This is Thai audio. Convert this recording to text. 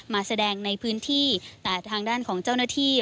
มาแสดงในพื้นที่แต่ทางด้านของเจ้าหน้าที่